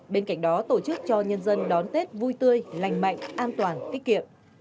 bên cạnh đó tổ chức cho nhân dân đón tết vui tươi lành mạnh an toàn tiết kiệm